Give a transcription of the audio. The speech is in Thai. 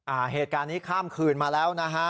อ่าเหตุการณ์นี้ข้ามคืนมาแล้วนะฮะ